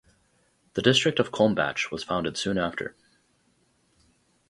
The district of Kulmbach was founded soon after.